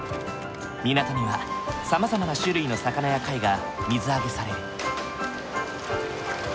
港にはさまざまな種類の魚や貝が水揚げされる。